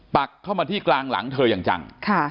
ปักเข้ามาที่กลางหลังเธออย่างจัง